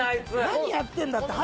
何やってんだって。